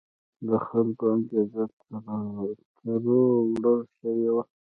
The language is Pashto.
د خلکو انګېزه تروړل شوې وه.